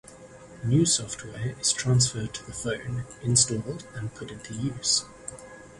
New software is transferred to the phone, installed, and put into use.